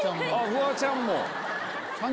フワちゃんも。